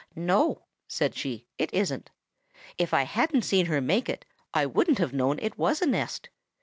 "No," said she, "it isn't. If I hadn't seen her make it, I wouldn't have known it was a nest.